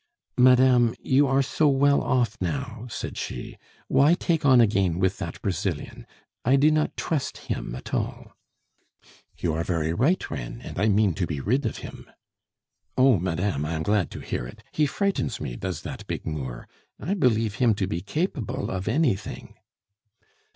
"Madame, you are so well off now," said she. "Why take on again with that Brazilian? I do not trust him at all." "You are very right, Reine, and I mean to be rid of him." "Oh, madame, I am glad to hear it; he frightens me, does that big Moor! I believe him to be capable of anything."